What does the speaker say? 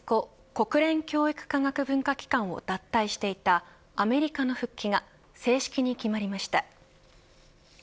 国連教育科学文化機関を脱退していたアメリカの復帰が正式に決まりました。